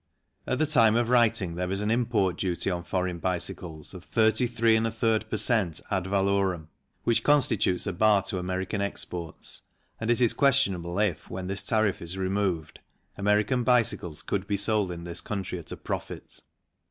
At the time of writing there is an import duty on foreign bicycles of 33 J per cent, ad valorem, which constitutes a bar to American exports and it is question able if, when this tariff is removed, American bicycles could be sold in this country at a profit.